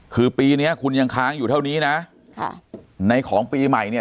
คือปีนี้คุณยังค้างอยู่เท่านี้นะค่ะในของปีใหม่เนี่ย